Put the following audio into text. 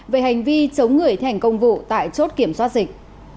về hành vi chống người thành công vụ tại chốt kiểm soát dịch